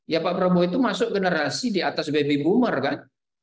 ya pak prabowo itu masuk generasi di atas baby boomer kan